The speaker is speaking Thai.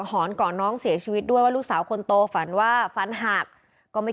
หอนก่อนน้องเสียชีวิตด้วยว่าลูกสาวคนโตฝันว่าฟันหักก็ไม่